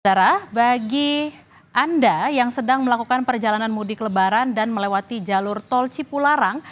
darah bagi anda yang sedang melakukan perjalanan mudik lebaran dan melewati jalur tol cipularang